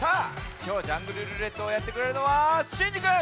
きょう「ジャングルるーれっと」をやってくれるのはシンジくん。